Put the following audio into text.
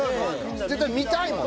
絶対見たいもん